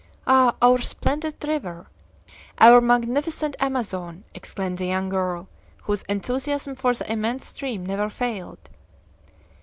"Ah! our splendid river! our magnificent Amazon!" exclaimed the young girl, whose enthusiasm for the immense stream never failed.